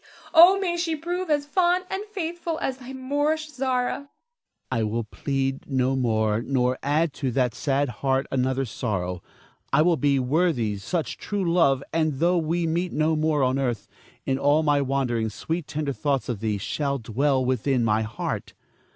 Oh, may she prove as fond and faithful as thy Moorish Zara. Ernest. I will plead no more, nor add to that sad heart another sorrow. I will be worthy such true love, and though we meet no more on earth, in all my wanderings sweet tender thoughts of thee shall dwell within my heart.